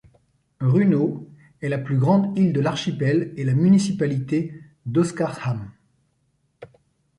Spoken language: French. Runnö est la plus grande île de l’archipel et la municipalité d'Oskarshamn.